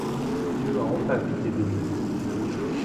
Dieu a enfin pitié de nous.